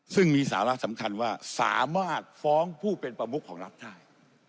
ซึ่งมีสาระสำคัญว่าสามารถฟ้องผู้เป็นประมุขของรัฐได้